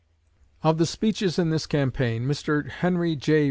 Of the speeches in this campaign, Mr. Henry J.